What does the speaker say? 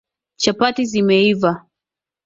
Chapati zimeiva